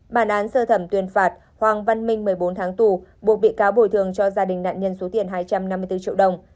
bản án sơ thẩm tuyên phạt hoàng văn minh một mươi bốn tháng tù buộc bị cáo bồi thường cho gia đình nạn nhân số tiền hai trăm năm mươi bốn triệu đồng